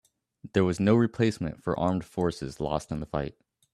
There was no replacement for armed forces lost in the fight.